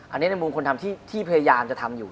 อันนี้ในมุมคนทำที่พยายามจะทำอยู่